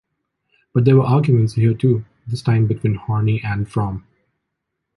But there were arguments here too, this time between Horney and Fromm.